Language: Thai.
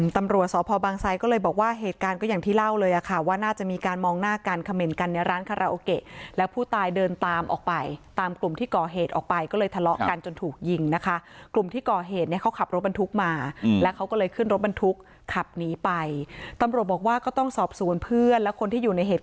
ตำรวจสพบางไซด์ก็เลยบอกว่าเหตุการณ์ก็อย่างที่เล่าเลยอ่ะค่ะว่าน่าจะมีการมองหน้ากันเขม่นกันในร้านคาราโอเกะแล้วผู้ตายเดินตามออกไปตามกลุ่มที่ก่อเหตุออกไปก็เลยทะเลาะกันจนถูกยิงนะคะกลุ่มที่ก่อเหตุเนี่ยเขาขับรถบรรทุกมาแล้วเขาก็เลยขึ้นรถบรรทุกขับหนีไปตำรวจบอกว่าก็ต้องสอบสวนเพื่อนและคนที่อยู่ในเหตุ